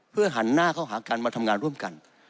เพื่อหันหน้าเข้าหากันมาทำงานร่วมกัน